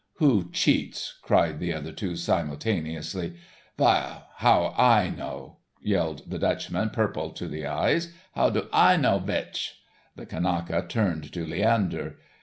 "Who cheats," cried the other two simultaneously. "Vail, how do I know," yelled the Dutchman, purple to the eyes. "How do I know vich." The Kanaka turned to Leander.